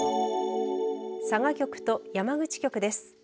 佐賀局と山口局です。